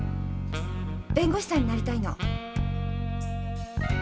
弁護士さんになりたいの。